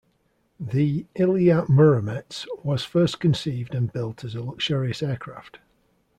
The Ilya Muromets was first conceived and built as a luxurious aircraft.